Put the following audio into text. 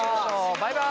バイバイ！